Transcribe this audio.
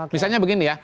misalnya begini ya